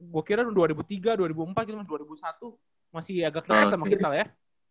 gue kira dua ribu tiga dua ribu empat dua ribu satu masih agak kelihatan sama kita ya